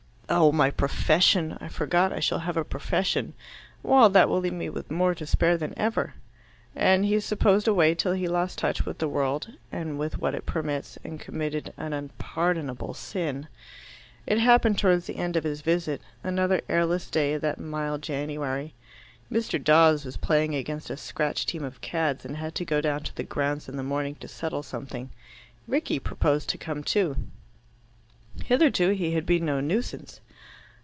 Oh, my profession! I forgot I shall have a profession. Well, that will leave me with more to spare than ever." And he supposed away till he lost touch with the world and with what it permits, and committed an unpardonable sin. It happened towards the end of his visit another airless day of that mild January. Mr. Dawes was playing against a scratch team of cads, and had to go down to the ground in the morning to settle something. Rickie proposed to come too. Hitherto he had been no nuisance.